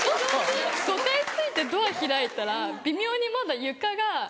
５階着いてドア開いたら微妙にまだ床が。